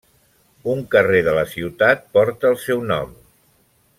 Un carrer de la ciutat porta el seu nom.